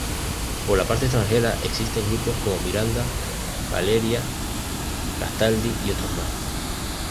Por la parte extranjera existen grupos como Miranda, Valeria Gastaldi y otros más.